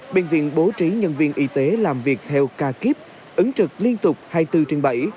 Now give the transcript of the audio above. bệnh viện bố trí nhân viên y tế làm việc theo ca kíp ứng trực liên tục hai mươi bốn trên bảy